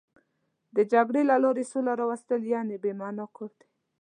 د جګړې له لارې سوله راوستل یو بې معنا کار دی.